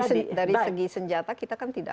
karena dari segi senjata kita kan tidak